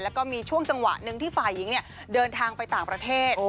แล้วก็มีช่วงจังหวะหนึ่งที่ฝ่ายหญิงเดินทางไปต่างประเทศ